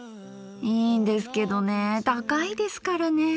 いいんですけどねぇ高いですからねぇ。